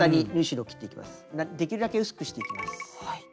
できるだけ薄くしていきます。